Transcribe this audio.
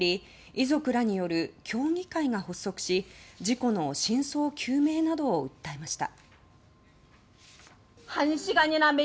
遺族らによる協議会が発足し事故の真相究明などを訴えました。